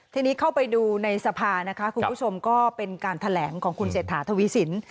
ทีนี้เข้าไปดูในสภานะคะคุณผู้ชมก็เป็นการแถลงของคุณเศรษฐาทวีสิน